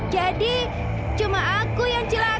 jadi cuma aku yang berharap